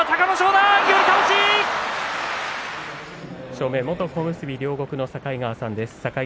正面元小結両国の境川さんです。